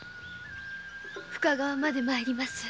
深川まで参ります。